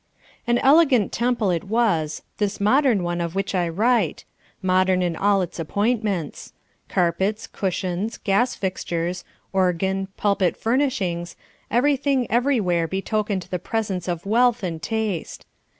An elegant temple it was, this modern one of which I write modern in all its appointments. Carpets, cushions, gas fixtures, organ, pulpit furnishings, everything everywhere betokened the presence of wealth and taste.